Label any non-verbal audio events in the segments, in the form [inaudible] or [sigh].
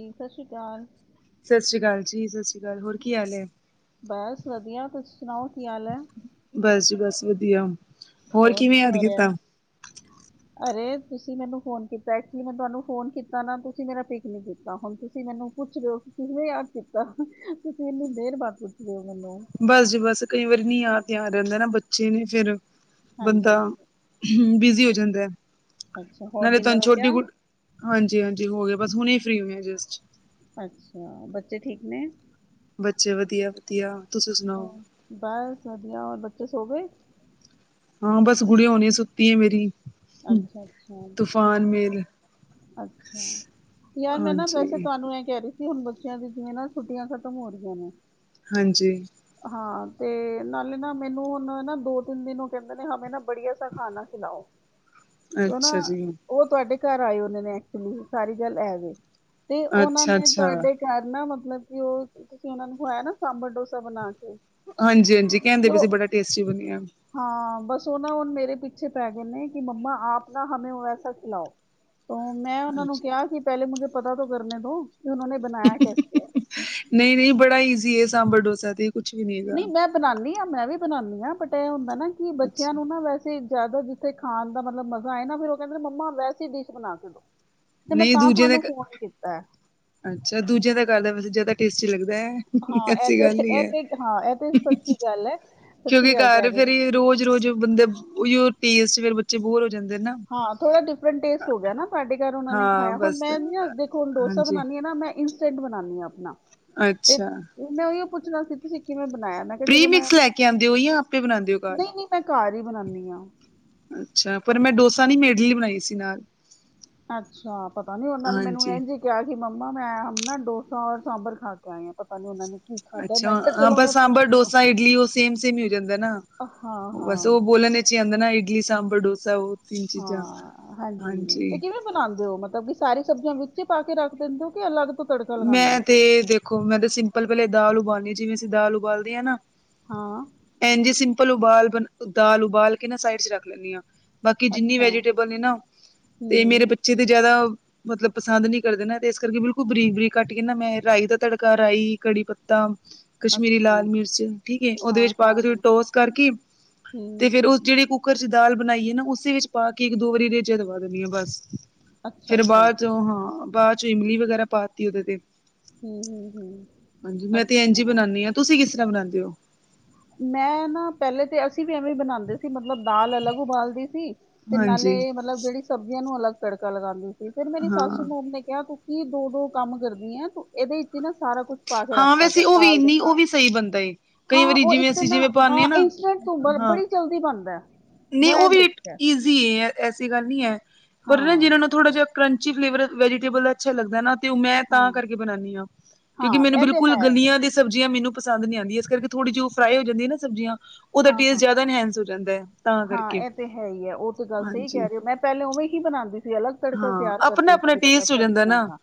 ਜੀ ਸਤਿ ਸ਼੍ਰੀ ਅਕਾਲ ਸਤਿ ਸ੍ਰੀ ਅਕਾਲ ਜੀ, ਸਤਿ ਸ਼੍ਰੀ ਅਕਾਲ, ਹੋਰ ਕੀ ਹਾਲ ਏ ਬਸ ਵਧੀਆ ਤੁਸੀ ਸੁਣਾਓ ਕੀ ਹਾਲ ਐ? ਬਸ ਜੀ ਬਸ ਵਧੀਆ ਹੋਰ ਕਿਵੇਂ ਕੀ ਯਾਦ ਹੋ ਰਿਹਾ ਕੀਤਾ। ਅਰੇ ਤੁਸੀਂ ਮੈਨੂੰ ਫੋਨ ਕੀਤਾ ਐਕਚੁਲੀ ਮੈਂ ਤੁਹਾਨੂੰ ਫੋਨ ਕੀਤਾ ਨਾ ਤੁਸੀਂ ਮੇਰਾ ਪਿਕ ਨਈ ਕੀਤਾ ਹੁਣ ਤੁਸੀਂ ਮੈਨੂੰ ਪੁੱਛ ਰਹੋ ਕਿ ਕਿਵੇਂ ਯਾਦ ਕੀਤਾ ਤੁਸੀਂ ਇੰਨੀ ਦੇਰ ਬਾਅਦ ਪੁੱਛਦੇ ਰਹੇ ਹੋ ਮੈਨੂੰ ਬਸ ਜੀ ਬਸ ਕਈ ਵਾਰੀ ਨਹੀਂ ਯਾਦ ਰਹਿੰਦਾ ਨਾ ਬੱਚੇ ਨੇ ਫੇਰ ਹਾਂਜੀ ਬੰਦਾ ਹ ਬਿਜੀ ਹੋ ਜਾਂਦਾ ਅੱਛਾ ਹੋਰ ਨਾਲੇ ਤੁਹਾਨੂੰ ਡਿਨਰ ਹੋ ਛੋਟੀ ਗਿਆ ਕੁੜ ਹਾਂਜੀ, ਹਾਂਜੀ ਹੋਗੇ ਬਸ ਹੁਣੀ ਫਰੀ ਹੋਇਆ ਜਸਟ ਅੱਛਿਆ ਬੱਚੇ ਠੀਕ ਨੇ? ਬੱਚੇ ਵਧੀਆ ਵਧੀਆ ਤੁਸੀਂ ਸੁਣਾਓ ਹੋਰ ਬਸ ਵਧੀਆ ਹੋਰ ਬੱਚੇ ਸੌਗੇ ਹਾਂ ਬਸ ਗੁਡੀਆਂ ਹੁਣੀ ਸੁੱਤੀ ਆ ਮੇਰੀ ਅੱਛਾ ਅੱਛਾ ਤੂਫਾਨ ਠੀਕ ਐ ਮੇਲ ਅੱਛਾ ਯਾਰ ਮੈਂ ਨਾ ਵੈਸੇ ਹਾਂਜੀ ਤੁਹਾਨੂੰ ਇਹ ਕਹਿ ਰਹੀ। ਕਿ ਹੁਣ ਬੱਚਿਆਂ ਦੀ ਜਿਵੇਂ ਨਾ ਛੁੱਟੀਆਂ ਖ਼ਤਮ ਹੋ ਰਹੀਆਂ ਨੇ। ਹਾਂਜੀ ਹਾਂ ਤੇ ਨਾਲੇ ਨਾ ਮੈਨੂੰ ਹੁਣ ਨਾ ਦੋ ਤਿੰਨ ਦਿਨ ਉਹ ਕਹਿੰਦੇ ਨੇ ਹਮੇ ਨਾ ਬੜੀਆ ਸਾ ਖਾਣਾ ਖਿਲਾਓ ਉਹ ਨਾ ਅੱਛਾ ਜੀ ਉਹ ਤੁਹਾਡੇ ਘਰ ਆਏ ਹੁੰਦੇ ਨੇ ਐਕਚੁਲੀ ਸਾਰੀ ਗੱਲ ਐਵੇਂ ਤੇ ਉਹਨਾਂ ਅੱਛਾ ਨੇ ਅੱਛਾ ਤੁਹਾਡੇ ਘਰ ਨਾ ਮਤਲਬ ਕਿ ਉਹ ਤੁਸੀਂ ਉਹਨਾਂ ਨੂੰ ਖਵਾਇਆ ਨਾ ਸਾਂਬਰ ਡੋਸਾ ਬਣਾ ਕੇ ਹਾਂਜੀ, ਹਾਂਜੀ ਕਹਿੰਦੇ ਤੇ ਪਏ ਉਹ ਸੀ ਬੜਾ ਟੇਸਟੀ ਬਣਿਆ। ਹਾਂ ਬਸ ਉਹ ਨਾ ਹੁਣ ਮੇਰੇ ਪਿੱਛੇ ਪੈ ਗਏ ਨੇ। ਕਿ ਮੰਮਾ ਆਪ ਨਾ ਹਮੇ ਵੈਸਾ ਖਿਲਾਓ ਤੋਂ ਮੈਂ ਉਹਨਾਂ ਹਾਂਜੀ ਨੂੰ ਕਿਹਾ ਕਿ ਪਹਿਲੇ ਮੁਝੇ ਪਤਾ ਤੋਂ ਕਰਨੇ ਦੋ ਕਿ ਉਹ ਨੇ ਬਣਾਇਆ ਕੈਸੇ ਹੈ ਨਹੀਂ, ਨਹੀਂ ਬੜਾ ਈਜ਼ੀ ਏ ਸਾਂਬਰ ਡੋਸਾ ਤੇ ਕੁੱਛ ਵੀ ਨਹੀਂ ਹੈਗਾ। ਬਣਾਣੀ ਆ ਮੈਂ ਵੀ ਬਣਾਣੀ ਆ ਬਟ ਐਹ ਹੁੰਦਾ ਨਾ ਕਿ ਬੱਚਿਆਂ ਅੱਛਾ ਨੂੰ ਨਾ ਵੈਸੇ। ਜ਼ਿਆਦਾ ਜਿੱਥੇ ਖਾਣ ਦਾ ਮਤਲਬ ਮਜ਼ਾ ਆਏ ਨਾ ਫੇਰ ਉਹ ਕਹਿੰਦੇ ਨੇ ਮੰਮਾ ਵੈਸੇ ਡਿਸ਼ ਬਣਾ ਕੇ ਦੋ। ਨਹੀਂ ਦੂਜਿਆਂ ਦੇ ਘਰ ਅੱਛਾ ਦੂਜਿਆਂ ਦੇ ਘਰ ਦਾ ਵੈਸੇ ਜਿਆਦਾ ਟੇਸਟੀ ਲੱਗਦੇ ਹਾਂ ਇਹ ਤੇ ਇਹ ਤੇ ਹਾਂ ਇਹ ਤੇ ਸੱਚੀ ਗੱਲ ਐ ਕਿਉਂਕਿ ਘਰ ਫੇਰ ਰੋਜ਼ ਰੋਜ਼ ਬੰਦੇ ਉਹੀ ਔ ਟੇਸਟ ਫਿਰ ਬੱਚੇ ਬੋਰ ਹੋ ਜਾਂਦੇ ਨਾ ਹਾਂ ਥੋੜਾ ਡੀਫਰਨਟ ਟੇਸਟ ਹੋ ਗਿਆ ਨਾ। ਤੁਹਾਡੇ ਘਰ ਉਹਨਾ ਨੇ ਹਾਂ ਖਾਇਆ ਹੁਣ ਬਸ ਮੈਂ ਨਾ ਦੇਖੋ ਹੁਣ ਡੋਸਾ ਹਾਂਜੀ ਬਣਾਣੀ ਆ ਨਾ ਮੈਂ ਇੰਸਟੈਂਟ ਬਣਾਣੀ ਆ ਆਪਣਾ। ਤੇ ਅੱਛਾ ਮੈਂ ਉਹੀ ਪੁੱਛਣਾ ਸੀ ਤੁਸੀਂ ਕਿਵੇਂ ਬਣਾਇਆ ਮੈਂ। ਕਿਹਾ ਚਲੋ ਮੈਂ ਪ੍ਰੀਮਿਕਸ ਲੈ ਕੇ ਆਂਦੇ ਹੋ ਜਾਂ ਆਪੇ ਬਣਾਂਦੇ ਹੋ ਘਰ ਨਹੀਂ ਨਹੀਂ ਮੈਂ ਘਰ ਹੀ ਬਣਾਨੀ ਆ ਅੱਛਾ ਪਰ ਮੈਂ ਡੋਸਾ ਨੀ ਮੈਂ ਇਡਲੀ ਬਣਾਈ ਸੀ ਨਾਲ ਅੱਛਾ ਪਤਾ ਨੀ ਉਹਨਾਂ ਨੇ ਮੈਨੂੰ ਹਾਂਜੀ ਇੰਝ ਹੀ ਕਿਹਾ ਕਿ ਮੰਮਾ ਮੈਂ ਹਮ ਨਾ ਡੋਸਾ ਔਰ ਸਾਂਬਰ ਖਾ ਕੇ ਆਏ ਆ ਪਤਾ ਨੀ ਉਹਨਾਂ ਨੇ ਕੀ ਖਾਧਾ ਅੱਛਾ ਮੈਂ ਕਿਹਾ ਹਾਂ ਚਲੋ ਬਸ ਮੈਂ ਸਾਂਬਰ, ਪੁੱਛਦੀ ਡੋਸਾ, ਇਡਲੀ ਉਹ ਸੇਮ ਸੇਮ ਹੀ ਹੋ ਜਾਂਦਾ ਨਾ ਹਾਂ ਹਾਂ ਬਸ ਉਹ ਹਾਂ ਬੋਲਣ‌ ਵਿ ਚ ਆਦਾ ਨਾ ਇਡਲੀ, ਸਾਂਬਰ, ਡੋਸਾ ਉਹ ਤਿੰਨ ਚੀਜ਼ਾਂ ਹਾਂਜੀ। ਬਣਾਂਦੇ ਹੋ ਮਤਲਬ ਕਿ ਸਾਰੀ ਸਬਜ਼ੀਆਂ ਵਿੱਚੇ ਪਾ ਕੇ ਰੱਖ ਦਿੰਦੇ ਹੋ ਕਿ ਅਲੱਗ ਤੋਂ ਤੜਕਾ ਲਗਾਉਂਦੇ ਮੈਂ ਹੋ ਤੇ ਦੇਖੋ ਮੈਂ ਤੇ ਸਿੰਪਲ ਪਹਿਲੇ ਦਾਲ ਉਬਾਲਣੀ ਆ ਜਿਵੇਂ ਅਸੀਂ ਦਾਲ ਉਬਾਲਦੇ ਆ ਨਾ। ਹਾਂ। ਐਜ ਹੀ ਸਿੰਪਲ ਉਬਾਲ ਬ ਦਾਲ ਉਬਾਲ ਕੇ ਨਾ ਸਾਈਡ ਚ ਰੱਖ ਲੈਣੀ ਆ ਬਾਕੀ ਜਿੰਨੀ ਅੱਛਾ ਵੈਜੀਟੇਬਲ ਨੇ ਨਾ ਤੇ ਮੇਰੇ ਬ ਹੂੰ ਬੱਚੇ ਤੇ ਜਿਆਦਾ, ਮਤਲਬ ਪਸੰਦ ਨ ਕਰਦੇ ਨੇ ਤੇ ਇਸ ਕਰਕੇ ਬਿਲਕੁਲ ਬਰੀਕ-ਬਰੀਕ ਕੱਟ ਕੇ ਨਾ, ਮੈਂ ਰਾਈ ਦਾ ਤੜਕਾ ਰਾਈ, ਕੜੀ ਪੱਤਾ ਕਸ਼ਮੀਰੀ ਅੱਛਾ ਲਾਲ ਮਿਰਚ, ਠੀਕ ਏ, ਉਹਦੇ ਹਾਂ ਵਿੱਚ ਪਾ ਹਾਂ ਕੇ ਥੋੜੀ ਟੋਸ ਕਰਕੇ, ਤੇ ਹੂੰ ਫੇਿਰ ਉਸ ਜਿਹੜੀ ਕੁ ਕੁੱਕਰ 'ਚ ਦਾਲ ਬਣਾਈਏ ਨਾ, ਉਸੇ ਵਿੱਚ ਪਾ ਕੇ ਇੱਕ ਦੋ ਵਾਰੀ ਰੇਜੇ ਦਵਾ ਦਿੰਣੀ ਆਂ, ਬਸ। ਅੱਛਾ ਫੇਿਰ ਅੱਛਾ ਬਾਅਦ 'ਚ ਉਹ ਹਾਂ, ਬਾਅਦ 'ਚੋਂ ਇਮਲੀ ਵਗੈਰਾ ਪਾ ਕੇ ਉਹਦੇ ਤੇ ਹਮ-ਹਮ, ਹਾਂਜੀ ਹਮ ਮੈਂ ਤੇ ਇੰਝ ਹੀ ਅੱਛਾ। ਬਣਾਨੀ ਆ ਤੁਸੀਂ ਕਿਸ ਤਰ੍ਹਾਂ ਬਨਾਉਂਦੇ ਹੋ? ਮੈਂ ਨਾ ਪਹਿਲੇ ਤੇ ਅਸੀਂ ਵੀ ਐਵੇਂ ਬਣਾਉਂਦੇ ਸੀ, ਮਤਲਬ ਦਾਲ ਅਲੱਗ ਉਬਾਲਦੀ ਸੀ। ਤੇ ਹਾਂਜੀ ਨਾਲੇ ਮਤਲਬ, ਜਿਹੜੀ ਸਬਜ਼ੀਆਂ ਨੂੰ ਅਲੱਗ ਤੜਕਾ ਲਗਾਉਂਦੀ ਸੀ, ਫਿਰ ਮੇਰੀ ਸਾਸੂ ਹਾਂ ਮੋਮ ਨੇ ਕਿਹਾ ਤੂੰ ਕੀ ਦੋ ਦੋ ਕੰਮ ਕਰਦੀ ਆ, ਇਹਦੇ ਵਿੱਚ ਹੀ ਨਾ ਸਾਰਾ ਕੁਛ ਪਾ ਕੇ ਹਾਂ ਰੱਖਦਾ ਗਾ, ਵੈਸੇ ਉਹ ਵੀ ਦਾਲ ਦੇ ਨਹੀਂ ਉਹ ਨਾਲ। ਵੀ ਸਹੀ ਬਣਦਾ ਏ। ਕਈ ਹਾਂ ਵਾਰੀ ਉਹ ਜਿਵੇਂ ਇੱਕ ਅਸੀਂ ਨਾ, ਜਿਵੇਂ ਪਾਨੇ ਆ ਹਾਂ ਨਾ ਇੰਸਟੈਂਟ ਤੋਂ ਹਾਂ ਬੜੀ ਜਲਦੀ ਬਣਦਾ। ਨਹੀਂ ਮੈਂ ਇਹ ਉਹ ਵੀ ਦੇਖਿਆ ਈਜ਼ੀ ਏ, ਐਸੀ ਗੱਲ ਨਹੀਂ ਹੈ, ਹਾਂ ਪਰ ਨਾ ਜਿਹਨਾਂ ਨੂੰ ਥੋੜ੍ਹਾ ਜਿਹਾ ਕਰਚੀ ਫਲੇਵਰ, ਵੈਜੀਟੇਲ ਅੱਛ ਲੱਗਦਾ ਨਾ ਤੇ ਮੈਂ ਹਾਂ ਤਾਂ ਕਰਕੇ ਬਣਾਉਂਦੀ ਹਾਂ, ਕਿਉਂਕਿ ਮੈਨੂੰ ਹਾਂ ਇਹ ਤੇ ਬਿਲਕੁਲ ਹੈ ਗਲੀਆਂ ਦੀ ਸਬਜ਼ੀਆਂ ਮੈਨੂੰ ਪਸੰਦ ਨਹੀਂ ਆਉਂਦੀ, ਇਸ ਕਰਕੇ ਥੋੜ੍ਹੀ ਜਿ ਫਰਾਈ ਹੋ ਜਾਂਦੀ ਨਾ ਸਬਜ਼ੀਆ, ਉਹਦਾ ਹਾਂ ਟੇਸਟ ਹਾਂ ਜ਼ਿਆਦਾ ਹਾਂ ਇਨਹਸ ਹੋ ਜਾਂਦਾ ਹੈ। ਤਾਂ ਹਾਂ ਕਰਕੇ ਇਹ ਤੇ ਹੈ ਹੀ ਹੈ, ਉਹ ਤੇ ਗੱਲ ਸਹੀ ਹਾਂਜੀ ਕਹਿ ਰਹੇ ਹੋ, ਮੈਂ ਪਹਿਲੇ ਉਵੇਂ ਹੀ ਬਣਾਉਂਦੀ ਸੀ ਅਲੱਗ ਤੜਕਾ ਹਾਂ ਤਿਆਰ ਆਪਣਾ ਕਰਦੇ ਆਪਣਾ ਸੀਲਬ ਟੇਸਟ ਹੋ ਜਾਂਦਾ ਸਬਜ਼ੀਆਂ ਨਾ ਦਾ,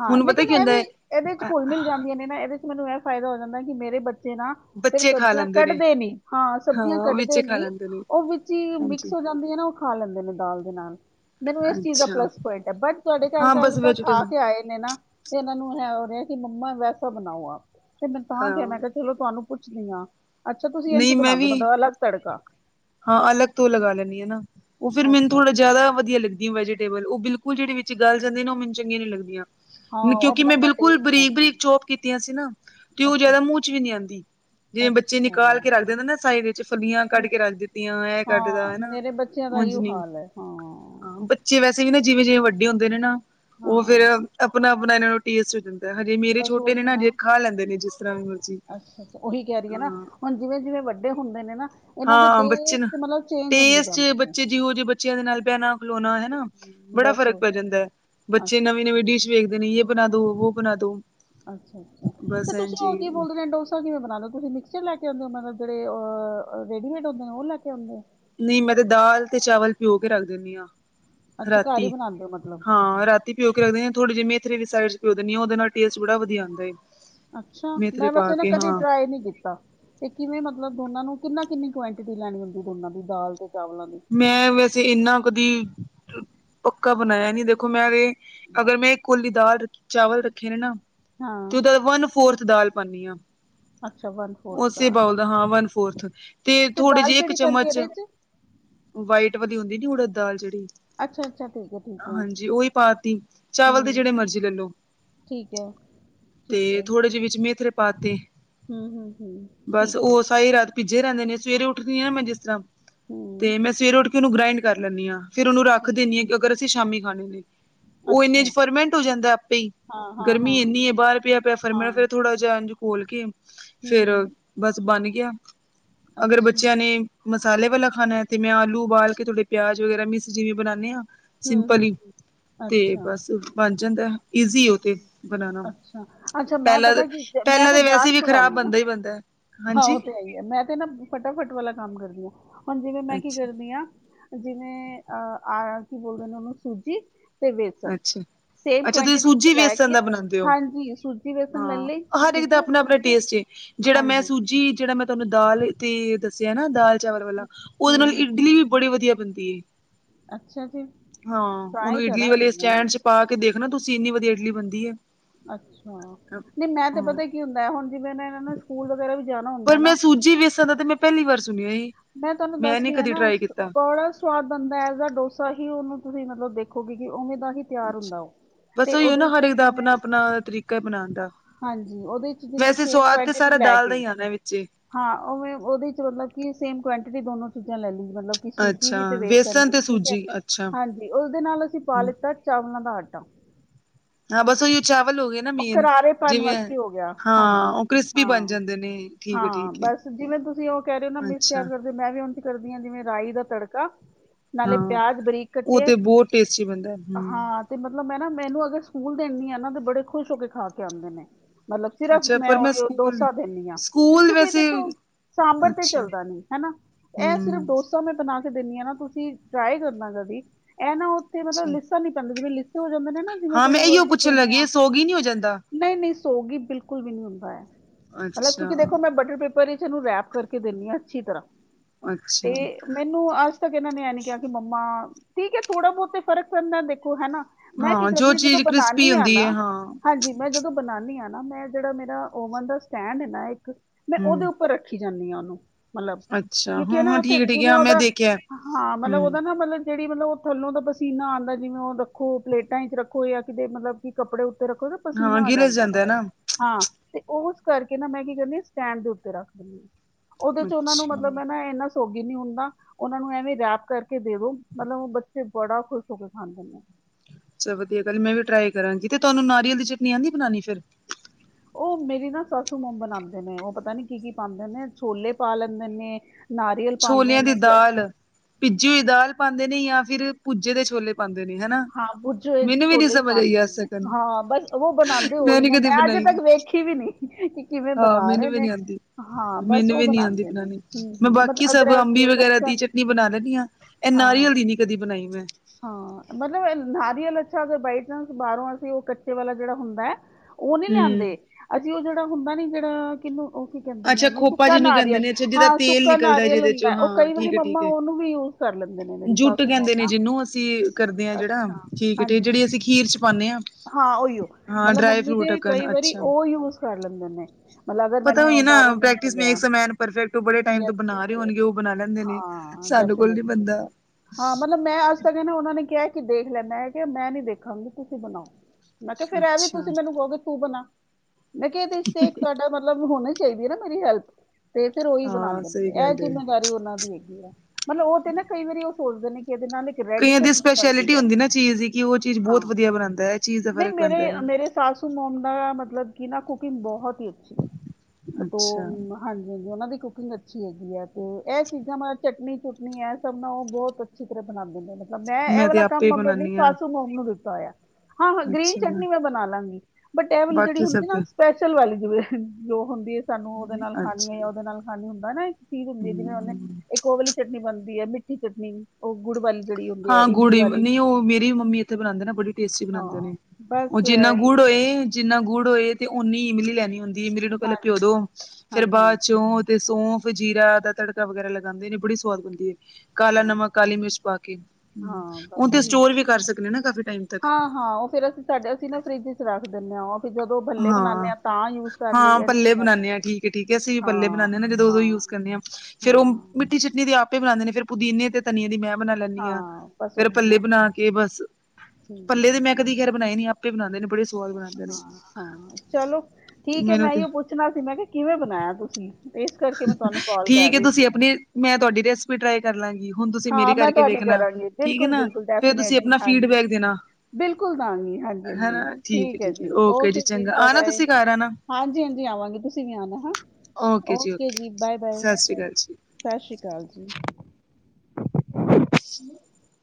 ਹਾਂ ਹੁਣ ਪਤਾ ਲੇਕਿਨ ਕੀ ਇਹ ਹੁੰਦਾ ਵੀ, ਇਹਦੇ 'ਚ ਹੈ ਘੁਲ ਮਿਲ ਜਾਂਦੀਆਂ ਨੇ ਨਾ, ਇਹਦੇ ਮੈਨੂੰ ਇਹ ਫਾਇਦਾ ਹੋ ਜਾਂਦਾ, ਕਿ ਮੇਰੇ ਬੱਚੇ ਨਾ ਫੇਿਰ ਬੱਚੇ ਖਾ ਸਬਜ਼ੀਆਂ ਲੈਂਦੇ ਨੇ ਕੱਢਦੇ ਨਹੀਂ। ਹਾਂ ਹਾਂ ਸਬਜ਼ੀਆਂ ਕੱਢਦੇ ਵਿੱਚੇ ਖਾ ਨੀ, ਲੈਂਦੇ ਨੇ ਉਹ ਵਿੱਚ ਹੀ ਹਾਂਜੀ ਮਿਕਸ ਹੋ ਜਾਂਦੀ ਹੈ ਨਾ, ਉਹ ਖਾ ਲੈਂਦੇ ਨੇ ਦਾਲ ਦੇ ਨਾਲ। ਮੈਨੂੰ ਇਸ ਚੀਜ਼ ਦਾ ਅੱਛਾ ਪਲੱਸ ਪੁਆਇੰਟ ਹੈ, ਬਟ ਤੁਹਾਡੇ ਘਰ ਹਾਂ ਬਸ 'ਘ ਖਾ ਵੈਜੀਟੇਬਲ ਕੇ ਖਾਏ ਨੇ ਨਾ, ਤੇ ਇਹਨਾਂ ਨੂੰ ਹੈ ਹੋ ਰਿਹਾ, ਕਿ ਮੰਮਾ ਵੈਸਾ ਬਣਾਓ ਆਪ। ਤੇ ਮੈਂ ਤਾਂ ਹਾਂ ਕ ਕਿਹਾ ਮੈਂ ਕਿਹਾ ਚਲੋ ਤੁਹਾਨੂੰ ਪੁੱਛਦੀ ਹਾਂ, ਅੱਛਾ ਤੁਸੀਂ ਇੰਝ ਨਹੀਂ ਮੈਂ ਬਣਾਦੋ, ਵੀ ਮਤਲਬ ਅਲੱਗ ਤੜਕਾ। ਹਾਂ ਅਲੱਗ ਤੋਂ ਲੱਗਾ ਲੈਂਦੀ ਆ ਨਾ, ਉਹ ਫੇਿਰ ਮੈਨੂੰ ਅੱਛਾ ਥੋੜ੍ਹਾ ਅੱਛਾ ਜਿਆਦਾ ਵਧੀਆ ਲੱਗਦਾ ਵੈਜੀਟੇਬਲ, ਉਹ ਬਿਲਕੁਲ ਜਿਹੜੇ ਵਿੱਚ ਗੱਲ ਜਾਂਦੀ ਨੇ, ਉਹ ਮੈਨੂੰ ਚੰਗੀਆਂ ਨੀ ਲਗਦੀਆਂ। ਹਾਂ ਉਹ ਕਿਉਂਕਿ ਆਪਣਾ ਮੈਂ ਆਪਣਾ ਬਿਲਕੁਲ ਟੇਸਟ ਹੈ ਬਰੀਕ- ਨਾ ਬਰੀਕ ਚੋਪ ਕੀਤੀਆਂ ਸੀ ਨਾ, ਤੇ ਉਹ ਅੱਛਾ ਜ਼ਿਆਦਾ ਮੂੰਹ 'ਚ ਵੀ ਨਹੀਂ ਆਉਂਦੀ। ਜਿਵੇਂ ਬੱਚੇ ਨਿਕਾਲ ਕੇ ਅੱਛਾ ਰੱਖ ਦਿੰਦਾ ਨਾ ਸਾਈਡ ਵਿੱਚ, ਫੱਲੀਆਂ ਕੱਢ ਕੇ ਰੱਖ ਦਿੱਤੀਆਂ, ਇਹ ਹਾਂ ਕੱਢਦਾ ਹਨਾ। ਮੇਰੇ ਬੱਚਿਆਂ ਦਾ ਉੰਝ ਇਹੋ ਨੀ ਹਾਲ ਹੈ। ਹਾਂ ਜਿਵੇਂ ਵੈਸੇ ਵੀ ਨਾ ਜਿਵੇਂ- ਜਿਵੇਂ ਵੱਡੇ ਹੁੰਦੇ ਨੇ ਨਾ, ਉਹ ਫੇਿਰ ਹਾਂ ਆਪਣਾ -ਆਪਣਾ ਇਹਨਾਂ ਨੂੰ ਟੇਸਟ ਦਿੰਦੇ ਤੇ ਹਜੇ ਮੇਰੇ ਬਸ ਛੋਟੇ ਨੇ ਉਹੀ ਨਾ, ਹਜੇ ਖਾ ਲੈਂਦੇ ਨੇ ਜਿਸ ਤਰ੍ਹਾਂ ਵੀ ਮਰਜ਼ੀ ਅੱਛਾ ਅੱਛਾ, ਉਹੀ ਕਹਿ ਰਹੀ ਹੈ ਨਾ, ਹਾਂ ਹੁਣ ਜਿਵੇਂ-ਜਿਵੇਂ ਵੱਡੇ ਹੁੰਦੇ ਨੇ ਨਾ ਇਹਨਾਂ ਦੇ ਹਾਂ ਬੱਚੇ ਨੂੰ ਟੇਸਟ ਮਤਲਬ ਚੇਂਜ ਹੁੰਦੇ ਟੇਸਟ, ਜਾਂਦੇ ਨੇ ਬੱਚੇ ਜਿਹੋ ਜਿਹੇ ਬੱਚਿਆਂ ਦੇ ਨਾਲ ਬਹਿਣਾ, ਖਲੋਣਾ ਹਨਾ ਹਮ, ਬੜਾ ਬਸ ਫ਼ਰਕ ਉਹ ਪੈ ਜਾਂਦਾ ਹੈ, ਬੱਚੇ ਨਵੀਂ- ਅੱਛਾ ਨਵੀਂ ਡਿਸ਼ ਵੇਖਦੇ ਨੇ, ਇਹ ਬਣਾ ਦੋ, ਵੋ ਬਣਾ ਦੋ। ਅੱਛਾ ਅੱਛਾ, ਤੇ ਬਸ ਤੁਸੀਂ ਉਹ ਹਾਂਜੀ ਕੀ ਬੋਲਦੇ ਰਹੇ ਡ ਡੋਸਾਂ ਕਿਵੇਂ ਬਣਾਦੇੋ ਤੁਸੀਂ, ਮਿਕਸਰ ਲੈ ਕੇ ਆਉਦੇ ਜਿਹੜੇ ਰੇਡੀਮੇਡ ਹੁੰਦੇ ਨੇ, ਉਹ ਲੈ ਕੇ ਆਉਂਦੇ ਹੋ? ਨਹੀਂ ਮੈਂ ਤੇ ਦਾਲ ਤੇ ਚਾਵਲ ਪਿਓ ਕੇ ਰੱਖ ਦਿੰਦੀ ਹਾਂ, ਅੱਛਾ ਘਰ ਹੀ ਰਾਤੀ, ਬਣਾਉਂਦੇ ਹੋ ਮਤਲਬ ਹਾਂ ਰਾਤੀ ਪਿਓ ਕੇ ਰੱਖਦੇ ਹਾਂ, ਥੋੜੇ ਜਹੇ ਮੇਥਰੇ ਵੀ ਸਾਈਡ ਤੇ ਪਿਓ ਦੇਂਦੀ ਹਾਂ, ਉਹਦੇ ਨਾਲੇ ਟੇਸਟ ਬੜਾ ਵਧੀਆ ਆਂਦਾ ਏ। ਅੱਛਾ, ਮੇਥਰੇ ਮੈਂ ਵੈਸੇ ਪਾ ਇਹਨਾਂ ਕੇ ਕਦੇ ਹਾਂ ਟਰਾਈ ਨੀ ਕੀਤਾ। ਤੇ ਕਿਵੇਂ ਮਤਲਬ ਦੋਨਾਂ ਨੂੰ, ਕਿੰਨਾ- ਕਿੰਨੀ ਕੁਆਆਂਟਿਟੀ ਲੈਣੀ ਹੁੰਦੀ ਦੋਨਾਂ ਦੀ, ਦਾਲ ਤੇ ਚਾਵਲਾਂ ਦੀ‌? ਮੈਂ ਵੈਸੇ ਇੰਨਾ ਕਦੀ, ਪੱਕਾ ਬਣਾਇਆ ਨਹੀਂ ਦੇਖੋ ਮੈਂ ਇਹ ਅਗਰ ਮੈਂ ਕੋਲੀ ਦਾਲ-ਚਾਵਲ ਰੱਖੇ ਨੇ ਨਾ, ਤੇ ਹਾਂ ਉਹਦਾ ਵਨ ਫੋਰਥ ਦਾਲ ਪਾਣੀ ਹਾਂ, ਅੱਛਾ ਉਸੇ ਦਾਲ ਬਾਲ ਦਾ, ਹਾਂ ਵਨ ਫੋਰਥ। ਤੇ ਥੋੜੇ ਦਾਲ ਜਿਹੇ ਇੱਕ ਕਿਹੜੀ ਪੈਂਦੀ ਹੈ ਚਮਚ, ਇਹਦੇ 'ਚ ਵਾਈਟ ਵਾਲੀ ਹੁੰਦੀ ਨਾ ਉੜਦ ਦਾਲ ਜਿਹੜੀ ਅੱਛਾ ਅੱਛਾ ਠੀਕ ਹੈ ਠੀਕ ਹੈ ਹਾਂਜੀ ਉਹੀ ਪਾਤੀ, ਚਾਵਲ ਦੇ ਹੂੰ ਜਿਹੜੇ ਮਰਜ਼ੀ ਲੈਲੋ। ਠੀਕ ਹੈ। ਤੇ ਥੋੜ੍ਹੇ ਜਿਹੇ ਵਿੱਚ ਮੇਥਰੇ ਪਾਤੇ। ਹਮ, ਹਮ, ਬਸ ਹਮ--ਠੀਕ ਹੈ। ਉਹ ਸਾਰੀ ਰਾਤ ਭਿੱਜੇ ਰਹਿੰਦੇ ਨੇ ਸਵੇਰੇ ਉੱਠਦੀ ਹਾ ਨਾ ਮੈਂ ਜਿਸ ਤਰ੍ਹਾਂ ਹੂੰ ਤੇ ਮੈਂ ਸਵੇਰੇ ਉਠ ਕੇ ਉਹਨੂੰ ਗ੍ਰਾਇੰਡ ਕਰ ਲੈਂਦੀ ਹਾਂ। ਫਿਰ ਉਹਨੂੰ ਰੱਖ ਠੀਕ ਦਿੰਦੀ ਹਾਂ ਹੈ ਕਿ ਅਗਰ ਅਸੀਂ ਸ਼ਾਮੀ ਖਾਣੇ ਨੇ। ਉਹ ਇੰਨੇ ਅੱਛਾ ਫਰਮੈਂਟ ਹੋ ਜਾਂਦਾ ਆਪੇ ਹੀ ਹਾਂ ਹਾਂ ਗਰਮੀ ਹਾਂ ਇੰਨੀ ਹਾਂ ਹੈ। ਬਾਹਰ ਪਿਆ, ਪਿਆ ਹਾਂ ਫਰਮੈਂਟ ਫਿਰ ਥੋੜਾ ਜਿਹਾ ਖੋਲ ਕੇ ਫੇਰ ਹੂੰ ਬਸ ਬੰਨ ਗਿਆ। ਅਗਰ ਅੱਛਾ ਬੱਚਿਆਂ ਨੇ ਮਸਾਲੇ ਵਾਲਾ ਖਾਣਾ ਤੇ ਮੈਂ ਆਲੂ ਉਬਾਲ ਕੇ, ਥੋੜੇ ਪਿਆਜ ਵਗੈਰਾ ਮਿਸ ਜਿਵੇਂ ਬਣਾਉਂਦੇ ਹਾਂ। ਹੂੰ ਸਿੰਪਲ ਹੂੰ ਹੀ ਹੂੰ। ਤੇ ਅੱਛਾ ਬਸ ਬਣ ਜਾਂਦਾ ਈਜ਼ੀ ਓ ਬਣਾਣਾ ਅੱਛਾ ਅੱਛਾ ਮੈਂ ਪਹਿਲਾਂ ਤੇ, ਪਤਾ ਕੀ ਜ- ਮੈਂ ਪਹਿਲਾਂ ਤੇ ਤਾਂ ਵੈਸੇ ਜਾਣ ਵੀ ਖ਼ਰਾਬ ਛੁਡਾਨੀ ਆ ਬਣਦਾ ਹੀ ਬਣਦਾ ਹਾਂ, ਹਾਂਜੀ ਉਹ ਤੇ ਹੈ ਹੀ ਆ। ਮੈਂ ਤੇ ਨਾ ਫਟਾਫਟ ਵਾਲਾ ਕੰਮ ਕਰਦੀ ਹਾਂ, ਹੁਣ ਜਿਵੇਂ-ਮੈਂ ਕੀ ਅੱਛਾ ਕਰਦੀ ਹਾਂ। ਜਿਵੇਂ-ਅਹ, ਆ ਕੀ ਬੋਲਦੇ ਨੇ ਉਹਨੂੰ ਸੂਜੀ? ਤੇ ਵੇਸਣ ਅੱਛਾ, ਸੇਮ ਅੱਛਾ ਤੇ ਕੁਆਂਟਿਟੀ ਸੂ਼ਜੀ। ਚ ਤੁਸੀ ਵੀ ਇਸ ਲੈ ਤਰ੍ਹਾਂ ਕੇ ਦਾ ਬਣਾਉਂਦੇ ਹੋ। ਹਾਂਜੀ ਸੂਜੀ ਬੇਸਨ ਲੈ ਹਾਂ, ਲਈ ਹਰ ਇੱਕ ਠੀਕ ਦਾ ਹੈ ਆਪਣਾ-ਆਪਣਾ ਟੇਸਟ ਏ ਜਿਹੜਾ ਮੈਂ ਹਾਂਜੀ ਸੂਜੀ, ਦੇ ਜਿਹੜਾ ਮੈਂ ਤੁਹਾਨੂੰ ਦਾਲ ਤੇ ਦੱਸਿਆ ਨਾ, ਦਾਲ-ਚਾਵਲ ਵਾਲਾ ਉਹਦੇ ਹੂੰ ਨਾਲ ਹੂੰ ਇਡਲੀ ਵੀ ਬੜੀ ਵਧੀਆ ਬਣਦੀ ਏ। ਅੱਛਾ ਜੀ ਹਾਂ, ਉਹਨੂੰ ਟਰਾਈ ਇਡਲੀ ਵਾਲੇ ਕਰਾਂਗੀ ਮੈਂ ਸਟੈਂਡ ਚ ਪਾ ਕੇ ਦੇਖਣਾ, ਤੁਸੀਂ ਇੰਨੀ ਵਧੀਆ ਇਡਲੀ ਬਣਦੀ। ਅੱਛਾ, ਨਹੀਂ ਮੈਂ ਤੇ ਹਾਂ ਪਤਾ ਕੀ ਹੁੰਦਾ, ਹੁਣ ਜਿਵੇਂ-ਇਹਨਾਂ ਨੇ ਸਕੂਲ ਵਗੈਰਾ ਵੀ ਜਾਣਾ? ਹੁੰਦਾ ਪਰ ਹੈ ਮੈਂ ਨਾ ਸੂਜੀ ਵੇਸਣ ਦਾ ਤੇ ਮੈਂ ਪਹਿਲੀ ਵਾਰ ਸੁਣਿਆ ਏ। ਮੈਂ ਤੁਹਾਨੂੰ ਦੱਸ ਨੀ ਰਹੀ ਹਾਂ ਕਦੀ ਨਾ, ਟਰਾਈ ਕੀਤਾ ਕੋਰਸ ਸਵਾਦ ਆਉਦਾ ਡੋਸਾ ਹੀ‌ ਉਹਨੂੰ ਤੁਸੀਂ ਮਤਲਬ ਦੇਖੋਗੇ ਕਿ ਉਓਵੇਂ ਦਾ ਹੀ ਤਿਆਰ ਅੱਛਾ, ਹੁੰਦਾ ਉਹ। ਬਸ ਤੇ ਉਹੀ ਨਾ ਉਹਦੇ ਹਰ ਵਿੱਚ ਇੱਕ ਦਾ ਆਪਣਾ ਆਪਣਾ ਤਰੀਕਾ ਬਣਾਉਣ ਦਾ ਜਿਵੇਂ-ਹਾਂਜੀ, ਉਹਦੇ ਵਿੱਚ ਜਿਵੇਂ ਵੈਸੇ ਸੇਮ ਸਵਾਦ ਤੇ ਕੁਆਂਟਿਟੀ ਸਾਰਾ ਲੈ ਦਾਲ ਕੇ ਦਾ ਹੀ ਆਉਣਾ ਵਿੱਚ ਹਾਂ, ਉਹਵੇਂ ਉਹਦੇ ਚ ਮਤਲਬ ਕਿ ਸੇਮ ਕੁਆਂਟਿਟੀ ਦੋਨੋ ਚੀਜ਼ਾਂ ਲੈ ਲਈਆਂ ਮਤਲਬ ਕਿ ਸੂਜੀ ਅੱਛਾ ਵੀ ਤੇ ਵੇਸਣ ਲਈ ਤੇ ਠੀਕ ਹੈ। ਸੂਜੀ ਅੱਛਾ ਹਾਂਜੀ, ਉਸਦੇ ਨਾਲ ਅਸੀਂ ਪਾ ਹਮ ਲਿੱਤਾ ਚਾਵਲਾਂ ਦਾ ਆਟਾ। ਹਾਂ, ਬਸ ਉਹਹੀ ਚਾਵਲ ਹੋ ਗਏ। ਉਹ ਮੇਨ ਕਰਾਰੇ ਪਾਉਣ ਜਿਵੇਂ- ਵਾਸਤੇ ਹੋ ਗਿਆ ਹਾਂਜੀ ਹਾਂ, ਉਹ ਕ੍ਰਿਸਪੀ ਬਣ ਜਾਂਦੇ ਨੇ, ਠੀਕ ਹੈ, ਠੀਕ ਹੈ। ਜਿਵੇਂ-ਤੁਸੀਂ ਉਹ ਕਹਿ ਰਹੇ ਹੋ ਨਾ, ਮਿਰਚ ਅੱਛਾ ਤਿਆਰ ਕਰਦੇ, ਮੈਂ ਵੀ ਉਹ ਚ ਕਰਦੀ ਹਾਂ। ਜਿਵੇਂ-ਰਾਈ ਦਾ ਤੜਕਾ ਨਾਲੇ ਹਾਂ ਪਿਆਜ ਬਰੀਕ ਉਹ ਕੱਟੇ। ਤੇ ਬਹੁਤ ਟੇਸਟੀ ਬਣਦਾ ਹਮ ਹਾਂ ਤੇ ਮਤਲਬ ਮੈਂ ਨਾ, ਮੈਨੂੰ ਅਗਰ ਸਕੂਲ ਦੇਨੀ ਆ ਨਾ, ਬੜੇ ਖੁਸ਼ ਹੋ ਕੇ ਖਾ ਕੇ ਆਉਂਦੇ ਨੇ। ਮਤਲਬ ਸਿਰਫ ਅੱਛਾ ਮੈਂ ਪਰ ਉਹੀ ਸਕੂਲ ਡੋਸਾ ਦਿੰਦੀ ਹਾਂ, ਮਤਲਬ ਸਕੂਲ ਕਿਉਂਕਿ ਵੈਸੇ ਦੇਖੋ। ਸਾਂਬਰ ਤੇ ਅੱਛਾ ਚੱਲਦਾ ਨੀ, ਹਨਾ। ਇਹ ਸਿਰਫ ਹਮ ਡੋਸਾ ਮੈਂ ਬਣਾ ਕੇ ਆ ਨਾ, ਤੁਸੀਂ ਟਏ ਕਰਨਾ ਕਦੀ, ਇਹ ਨਾ ਉੱਥੇ ਮਤਲਬ ਅੱਛਾ ਲਿਸਾਂ ਨੀ ਪੈਂਦਾ ਜਿਵੇਂ ਹੋ ਜਾਂਦੇ ਨਾ, ਜਿਵੇਂ-ਕੋਈ ਦਹਿੰਦੇ ਆ। ਮੀ ਹੋ ਜਾਂਦਾ। ਨਹੀਂ -ਨਹੀਂ ਸੋਗੀ, ਬਿਲਕੁਲ ਵੀ ਨਹੀਂ ਹੁੰਦਾ ਹੈ। ਮਤਲਬ ਅੱਛਾ ਕਿਉਂਕਿ ਦੇਖੋ, ਮੈਂ ਬਟਰ ਪੇਪਰ ਵਿੱਚ ਇਹਨੂੰ ਰੈਪ ਕਰਕੇ ਦਿੰਦੀ ਹਾਂ। ਅੱਛੀ ਤਰ੍ਹਾਂ ਅੱਛਾ ਤੇ ਮੈਨੂੰ ਅੱਜ ਤੱਕ ਇਹਨਾਂ ਨੇ ਐਂ ਨੀ ਕਿਹਾ-ਕਿ ਮੰਮਾ, ਠੀਕ ਹੈ। ਥੋੜਾ ਬਹੁਤਾ ਫ਼ਰਕ ਪੈਂਦਾ,। ਦੇਖੋ ਹਨਾ ਮੈਂ ਕੀ ਹਾਂ ਜੋ ਕਰਦੀ ਜਦੋਂ ਚੀਜ਼ ਕ੍ਰਿਸਪੀ ਬਣਾਉਂਦੀ ਹਾਂ ਹੁੰਦੀ ਹੈ ਨਾ ਹਾਂਜੀ, ਮੈਂ ਜਦੋਂ ਬਣਾਉਂਦੀ ਹਾਂ ਨਾ, ਮੈਂ ਜਿਹੜਾ ਮੇਰਾ ਓਵਨ ਦਾ ਸਟੈਂਡ ਹੈ ਨਾ, ਇੱਕ ਮੈਂ ਉਹਦੇ ਹਮ ਉੱਪਰ ਰੱਖੀ ਜਾਂਦੀ ਆ। ਉਹਨੂੰ ਮਤਲਬ ਅੱਛਾ ਕਿਉਂਕਿ ਹੈ ਹਾਂ ਨਾ, ਹਾਂ ਉੱਥੇ ਠੀਕ ਠੀਕ ਹੈ ਜਿਵੇਂ- ਹਾਂ ਮੈਂ ਉਹਦਾ ਦੇਖਿਆ ਹਾਂ, ਮਤਲਬ ਹਮ ਉਹਦਾ ਨਾ, ਮਤਲਬ ਜਿਹੜੀ ਮਤਲਬ ਉਹ ਥੱਲੋਂ ਦਾ ਪਸੀਨਾ ਆਉਂਦਾ, ਜਿਵੇਂ- ਉਹ ਰੱਖੋ ਪਲੇਟਾਂ ਚ ਰੱਖੋ ਜਾਂ ਕਿਤੇ, ਮਤਲਬ ਕਿ ਕੱਪੜੇ ਰੱਖੋ। ਹਾਂ ਪਸੀਨਾ ਆ ਗਿਰ ਜਾਂਦਾ ਜਾਂਦੇ ਆ ਮਤਲਬ ਨਾ। ਹਾਂ, ਤੇ ਉਸ ਕਰਕੇ ਨਾ ਮੈਂ ਕੀ ਕਰਨੀ, ਸਟੈਂਡ ਦੇ ਉੱਤੇ ਰੱਖ ਦਿਨੀ ਆ। ਉਹਦੇ ਚ ਉਹਨਾ ਨੂੰ ਅੱਛਾ ਮਤਲਬ ਮੈਂ ਨਾ ਇੰਨਾ ਸੋਗੀ ਨੀ ਹੁੰਦਾ ਉਹਨਾਂ ਨੂੰ, ਐਵੇਂ ਰੈਪ ਕਰਕੇ ਦੇ, ਦੋ ਮਤਲਬ ਓ ਬੱਚੇ ਬੜਾ ਖੁਸ਼ ਹੋ ਕੇ ਖਾਂਦੇ ਨੇ। ਚਲ ਵਧੀਆ ਗੱਲ, ਮੈਂ ਵੀ ਟਰਾਈ ਕਰਾਂਗੀ ਤੇ ਤੁਹਾਨੂੰ ਨਾਰੀਅਲ ਦੀ ਚਟਨੀ ਆਂਦੀ ਬਣਾਨੀ ਫਿਰ। ਓ ਮੇਰੀ ਨਾ ਸਾਸੂ ਮੋਮ ਬਣਾਂਦੇ ਨੇ, ਓ ਪਤਾ ਨੀ ਕੀ-ਕੀ ਪਾਂਦੇ ਨੇ, ਛੋਲੇ ਪਾ ਲੈਂਦੇ ਨੇ। ਨਾਰੀਅਲ ਪਾਂਦੇ ਨੇ ਇੱਕ। ਪਿੱਜੀ ਹੋਈ ਦਾਲ ਪਾਂਦੇ ਨੇ ਜਾਂ ਫਿਰ ਭੁੱਜੇ ਦੇ ਛੋਲੇ। ਪਾਂਦੇ ਨੇ ਹਨਾ ਹਾਂ, ਬੁੱਜੋ ਹੋਏ ਮੈਨੂੰ ਵੀ ਨੀ ਛੋਲੇ ਈ ਸਮਝ ਆਈ ਪਾਂਦੇ ਅੱਜ ਨੇ, ਤੱਕ ਹਾਂ ਬਸ ਉਹ ਬਣਾਂਦੇ ਉਹੀ ਨੀ ਨੇ, ਕਦੀ ਮੈਂ ਅਜੇ ਬਣਾਈ ਤੱਕ ਵੇ, ਖੀ ਵੀ ਨੀ ਕਿ ਕਿਵੇਂ ਹਾਂ ਬਣਾ ਮੈਨੂੰ ਰੇ ਵੀ ਨੀ ਨੇ, ਆਂਦੀ ਹਾਂ ਬਸ ਮੈਨੂੰ ਉਹ ਵੀ ਨੀ ਆਂਦੀ ਬਣਾਂਦੇ ਨੇ, ਬਣਾਣੀ ਹੂੰ ਮੈਂ ਹੂੰ। ਬਾਕੀ ਸਭ ਅੰਬੀ ਵਗੈਰਾ ਦੀ ਚਟਨੀ ਬਣਾ ਲੈਣੀ ਆ ਏ ਨਾਰੀਅਲ ਹਾਂ ਦੀ ਨੀ ਕਦੀ ਬਣਾਈ ਮੈਂ। ਹਾਂ ਮਤਲਬ ਨਾਰੀਅਲ ਅੱਛਾ ਬਾਈ ਚਾਂਸ ਬਾਹਰੋਂ ਅਸੀਂ ਓ ਕੱਚੇ ਵਾਲਾ ਜਿਹੜਾ ਹੁੰਦਾ। ਓ ਨਹੀ ਹੂੰ ਲਿਆਂਦੇ ਅਸੀਂ ਉਹ ਜਿਹੜਾ ਹੁੰਦਾ ਨੀ ਜਿਹੜਾ ਕਿਨੂੰ ਓ ਕੀ ਕਹਿੰਦੇ ਨੇ ਅੱਛਾ ਉਹਨੂੰ ਖੋਪਾ ਸੁੱਕਾ ਜਿਹਨੂੰ ਕਹਿੰਦੇ ਨਾਰੀਅਲ ਨੇ ਅੱਛਾ ਜਿਹਦਾ ਹਾਂ ਤੇਲ ਸੁੱਕਾ ਨਿਕਲਦਾ ਨਾਰੀਅਲ ਜਿਹਦੇ ਚੋਂ ਹੁੰਦਾ ਓ ਹਾਂ ਕਈ ਵਾਰੀ ਠੀਕ ਹੈ ਠੀਕ ਮੰਮਾ ਹੈ ਉਹਨੂੰ ਵੀ ਯੂ ਕਰ ਲੈਂਦੇ ਨੇ ਮੇਰੀ ਜੁੱਟ ਸਾਸੂ ਮੋਮ ਕਹਿੰਦੇ ਨੇ ਨਾ। ਜਿਹਨੂੰ ਅਸੀਂ ਕਰਦੇ ਆ ਜਿਹੜਾ, ਅੱਛਾ ਠੀਕ ਠੀਕ ਹਾਂਜੀ ਜਿਹੜੀ ਅਸੀਂ ਖੀਰ ਚ ਪਾਨੇ ਆ। ਹਾਂ, ਉਹੀਓ ਹਾਂ ਮਤਲਬ ਡਰਾਈ ਮੰਮੀ ਫਰੂਟ ਤੇ ਅਕਨ ਕਈ ਵਾਰੀ ਅੱਛਾ ਓ ਯੂਜ ਕਰ ਲੈਂਦੇ ਨੇ। ਮਤਲਬ ਅਗਰ ਪਤਾ ਹੋਈਏ ਮੈਨੂੰ ਨਾ ਬਾਹਰੋਂ ਨਹੀਂ ਪ੍ਰੈਕਟਿਸ ਮਿਲਿਆ ਮੇਕਸ ਏ ਮੈਨ ਪਰਫੈਕਟ ਬੜੇ ਟਾਈਮ ਤੋਂ ਯੈਸ ਯੈਸ ਬਣਾ ਰੇ ਯੈਸ ਹੋਣਗੇ। ਓ ਬਣਾ ਲੈਂਦੇ ਨੇ ਹਾਂ ਸਾਨੂੰ ਕੋਲ ਨੀ ਡੈਫੀਨੇਟਲੀ ਬਣਦਾ। ਹਾਂ, ਮਤਲਬ ਮੈਂ ਅੱਜ ਤੱਕ ਉਹਨਾਂ ਨੇ ਕਿਹਾ ਕਿ ਦੇਖ ਲੈ ਮੈਂ ਕਿਹਾ ਮੈਂ ਨੀ ਦੇਖਾਂਗੀ ਤੁਸੀਂ ਬਣਾਓ। ਮੈਂ ਕਿਹਾ ਫੇਰ ਐ ਵੀ ਅੱਛਾ ਤੁਸੀਂ ਮੈਨੂੰ ਕਹੋਗੇ ਤੂੰ ਬਣਾ, ਮੈਂ ਕਿਹਾ ਇਹਦੇ ਚ ਤੇ ਇੱਕ ਤੁਹਾਡਾ ਮਤਲਬ ਹੁਣ ਚਾਹੀਦੀ ਐ ਨਾ ਮੇਰੀ ਹੈਲਪ ਤੇ ਫਿਰ ਉਹੀ ਹਾਂ ਬਣਾਂਦੇ ਸਹੀ ਨੇ ਐ ਗੱਲ ਏ ਜਿੰਮੇਵਾਰੀ ਉਹਨਾਂ ਦੀ ਹੈਗੀ ਆ। ਮਤਲਬ ਓ ਤੇ ਨਾ ਕਈ ਵਾਰੀ ਓ ਸੋਚਦੇ ਨੇ ਕਿ ਇਹਦੇ ਨਾਲ ਇੱਕ, ਰੈੱਡ ਕਈਆਂ ਦੀ ਚਟਨੀ ਸਪੈਸ਼ਲਿਟੀ ਬਣਦੀ ਹੈ ਹੁੰਦੀ ਨਾ ਚੀਜ਼ ਦੀ ਕਿ ਓ ਚੀਜ਼ ਬਹੁਤ ਵਧੀਆ ਬਣਾਂਦਾ। ਨਈ, ਮੇਰੇ ਮੇਰੇ ਸਾਸੂ ਮੋਮ ਦਾ ਮਤਲਬ ਕਿ ਨਾ ਕੁਕਿੰਗ ਬਹੁਤ ਈ ਅੱਛੀ ਐ। ਅੱਛਾ [unintelligible] ਹਾਂਜੀ ਹਾਂਜੀ, ਉਹਨਾਂ ਦੀ ਕੁਕਿੰਗ ਅੱਛੀ ਹੈਗੀ ਆ ਤੇ ਇਹ ਚੀਜ਼ਾਂ ਮਤਲਬ ਚਟਨੀ ਚੁੱਟਨੀ ਏ ਸਭ ਨਾ ਬੋਤ ਅੱਛੀ ਤਰ੍ਹਾਂ ਬਣਾਂਦੇ ਨੇ। ਮੈਂ ਏ ਤੇ ਵਾਲਾ ਆਪੇ ਹੀ ਕੰਮ ਬਣਾਉਦੀ ਹਾਂ ਸਸੂ ਮੋਮ ਨੂੰ ਦਿੱਤਾ ਹੋਇਆ ਹਾਂ ਹਾਂ ਗ੍ਰੀਨ ਅੱਛਾ ਚਟਨੀ ਮੈਂ ਬਣਾ ਲਾਂਗੀ। ਬਟ ਐ ਵਾਲੀ ਜਿਹੜੀ ਬਾਕੀ ਸਭ ਹੁੰਦੀ ਨਾ ਤੇ ਸਪੈਸ਼ਲ ਵਾਲੀ ਜਿਵੇਂ ਜੋ ਹੁੰਦੀ ਐ ਸਾਨੂੰ ਉਹਦੇ ਨਾਲ ਖਾਣੀ ਅੱਛਾ ਐ ਜਾਂ ਉਹਦੇ ਨਾਲ [unintelligible] ਹੁੰਦਾ ਨਾ ਇੱਕ ਚੀਜ਼ ਹੁੰਦੀ ਐ ਜਿਵੇਂ ਉਹਨੇ ਹਮ ਇੱਕ ਓ ਵਾਲੀ ਚਟਨੀ ਬਣਦੀ ਐ ਮਿੱਠੀ ਚਟਨੀ। ਓ ਗੁੜ ਵਾਲੀ ਜਿਹੜੀ, ਹੁੰਦੀ ਹੈ ਹਾਂ, ਇਮਲੀ ਗੂੜ੍ਹੀ ਵਾਲੀ ਨੀ ਓ ਮੇਰੀ ਵੀ ਮੰਮੀ ਇੱਥੇ ਬਣਾਂਦੇ ਨਾ ਬੜੀ। ਟੇਸਟੀ ਬਣਾਂਦੇ ਹਾਂ ਹੋਣੇ ਓ ਬਸ ਜਿੰਨਾ ਇਹੀ ਗੁੜ ਹੋ ਹੋਏ ਜਿੰਨਾ ਗੁੜ ਹੋਏ ਤੇ ਓਨੀ ਇਮਲੀ ਲੈਣੀ ਹੁੰਦੀ ਇਮਲੀ ਨੂੰ ਹਾਂ ਪਹਿਲਾਂ ਪਿਓ ਦੋ ਫੇਰ ਹਾਂਜੀ ਬਾਚੋਂ ਤੇ ਸੌਂਫ ਜੀਰਾ ਦਾ ਤੜਕਾ ਵਗੈਰਾ ਲਗਾਂਦੇ ਨੇ ਬੜੀ ਸਵਾਦ ਬਣਦੀ ਐ। ਕਾਲਾ ਹਾਂ ਨਮਕ ਕਾਲੀ ਮਿਰਚ ਪਾ ਕੇ। ਹਾਂ, ਉਹ ਬਸ ਤੇ ਓਹੀ ਸਟੋਰ ਵੀ ਕਰ ਸਕਦੇ ਨਾ ਕਾਫੀ ਟਾਈਮ ਤੱਕ ਹਾਂ ਹਾਂ ਓ ਫੇਰ ਅਸੀਂ ਸਾਡੇ ਅਸੀਂ ਨਾ ਫਰਿਜ ਚ ਰੱਖ ਦਿਨੇ ਆ ਓ। ਹਾਂ ਹਾਂ, ਲਈਏ ਨਹੀਂ ਪੱਲੇ ਕਰਦੇ ਬਣਾਨੇ ਆ ਠੀਕ ਐ ਠੀਕ ਐ ਅਸੀਂ ਵੀ ਪੱਲੇ ਹਾਂ ਬਣਾਨੇ ਆ ਨਾ ਜਦੋਂ ਉਦੋਂ ਹਾਂ ਯੂਜ ਕਰਨੇ ਐ। ਫੇਰ ਓ ਹਾਂ ਮਿੱਠੀ ਚਟਨੀ ਦੀ ਆਪੇ ਬਣਾਂਦੇ ਨੇ ਫਿਰ ਪੁਦੀਨੇ ਤੇ ਧਨੀਏ ਦੀ ਮੈਂ ਬਣਾ ਲੈਂਦੀ ਆ ਹਾਂ ਬਸ ਫੇਰ ਉਹੀ ਪੱਲੇ ਨਾ ਬਣਾ ਕੇ ਬਸ ਪੱਲੇ ਦੇ ਹਮ, ਮੈਂ ਕਦੀ ਖੈਰ ਬਣਾਈ ਨੀ ਆਪ ਬਣਾਂਦੇ ਨੇ ਬੜੇ ਸਵਾਦ ਬਣਾਂਦੇ ਨੇ। ਹਾਂ ਹਾਂ ਚਲੋ। ਠੀਕ ਐ ਮੈਨੂੰ ਮੈਂ ਤੇ ਇਹੀਓ ਪੁੱਛਣਾ ਸੀ ਮੈਂ ਕਿਹਾ ਕਿਵੇਂ ਬਣਾਇਆ ਤੁਸੀਂ ਇਸ ਕਰਕੇ ਮੈਂ ਤੁਹਾਨੂੰ ਕਾਲ ਕਰ ਠੀਕ ਹੈ ਰੀ ਸੀ। ਤੁਸੀਂ ਆਪਣੀ ਮੈਂ ਤੁਹਾਡੀ ਰੈਸ ਟ੍ਰਈ ਕਰ ਲਾਂਗੀ, ਹੁਣ ਤੁਸੀਂ, ਹਾਂ ਮੇਰੇ ਮੈਂ ਕਰਕੇ ਤੁਹਾਡੀ ਵੇਖਣਾ, ਕਰਾਂਗੀ ਠੀਕ ਹੈ, ਬਿਲਕੁਲ ਨਾ ਬਿਲਕੁਲ ਫੇਰ ਡੈਫੀਨੇਟ ਤੁਸੀਂ ਜੀ ਆਪਣਾ ਹਾਂਜੀ ਫੀਡਬੈਕ ਦੇਣਾ ਬਿਲਕੁਲ, ਤਾਂ ਹੀ ਹਾਂਜੀ -ਹਾਂਜੀ ਠੀਕ ਹੈ ਜੀ। ਓਕੇ ਜੀ, ਬਾਏ- ਬਾਏ, ਹਾਂਜੀ -ਹਾਂਜੀ, ਆਵਾਂਗੇ, ਤੁਸੀਂ ਵੀ ਆਉਣਾ ਹਾਂ। ਓਕੇ ਜੀ, ਬਾਏ- ਬਾਏ, ਸਤਿ ਸ਼੍ਰੀ ਅਕਾਲ ਜੀ ਸਤਿ ਸ਼੍ਰੀ ਅਕਾਲ ਜੀ।